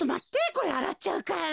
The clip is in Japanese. これあらっちゃうから。